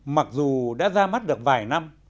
mặc dù đã ra mắt được vài năm